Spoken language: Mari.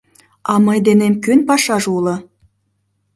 — А мый денем кӧн пашаже уло?